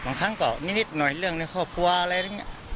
บางครั้งก็นิดหน่อยเรื่องในครอบครัวอะไรอย่างนี้